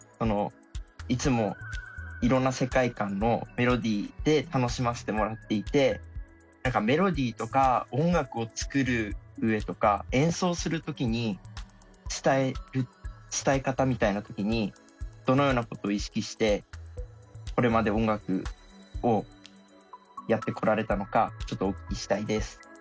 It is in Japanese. いつもいろんな世界観のメロディーで楽しませてもらっていて何かメロディーとか音楽を作る上とか演奏する時に伝え方みたいな時にどのようなことを意識してこれまで音楽をやってこられたのかちょっとお聞きしたいです。